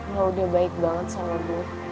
nah udah baik banget sama gue